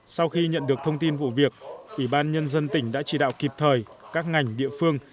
sau khi nhận được thông tin vụ việc ủy ban nhân dân tỉnh đã chỉ đạo kịp thời các ngành địa phương